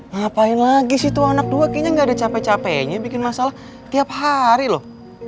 ngapain lagi sih tua anak dua kayaknya ga ada cape cape nya bikin masalah tiap hari loh